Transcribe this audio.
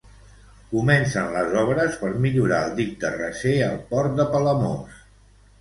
Comencen les obres per millorar el dic de recer al port de Palamós.